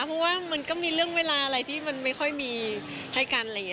เพราะว่ามันก็มีเรื่องเวลาอะไรที่มันไม่ค่อยมีให้กันอะไรอย่างนี้